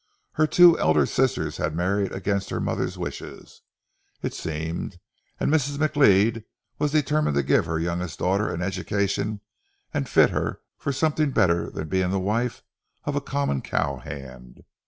Her two elder sisters had married against her mother's wishes, it seemed, and Mrs. McLeod was determined to give her youngest daughter an education and fit her for something better than being the wife of a common cow hand.